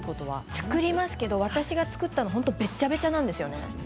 作りますけれど私が作ったのは本当にべちゃべちゃなんですよ。